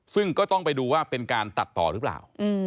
ซึ่งก็ต้องไปดูว่าเป็นการตัดต่อหรือเปล่า